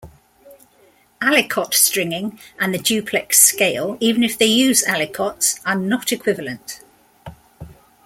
Aliquot stringing and the duplex scale, even if they use "aliquots", are not equivalent.